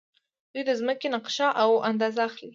دوی د ځمکې نقشه او اندازه اخلي.